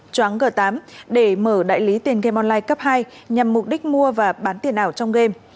choáng g tám để mở đại lý tiền gam online cấp hai nhằm mục đích mua và bán tiền ảo trong game